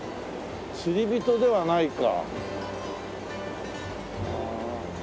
釣り人ではないか。